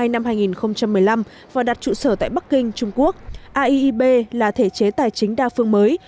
một mươi hai năm hai nghìn một mươi năm và đặt trụ sở tại bắc kinh trung quốc aiib là thể chế tài chính đa phương mới